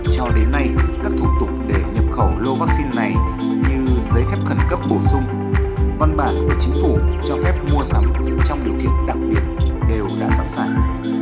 cho đến nay các thủ tục để nhập khẩu lô vaccine này như giấy phép khẩn cấp bổ sung văn bản của chính phủ cho phép mua sắm trong điều kiện đặc biệt đều đã sẵn sàng